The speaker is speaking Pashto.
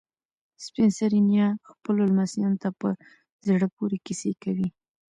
سپین سرې نیا خپلو لمسیانو ته په زړه پورې کیسې کوي.